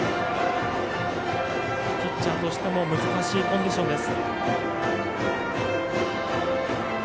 ピッチャーとしても難しいコンディションです。